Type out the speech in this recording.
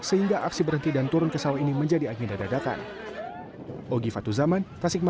sehingga aksi berhenti dan turun ke sawah ini menjadi agenda dadakan